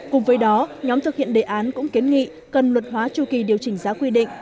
cùng với đó nhóm thực hiện đề án cũng kiến nghị cần luật hóa chu kỳ điều chỉnh giá quy định